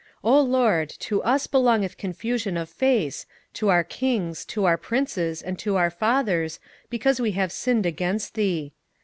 27:009:008 O Lord, to us belongeth confusion of face, to our kings, to our princes, and to our fathers, because we have sinned against thee.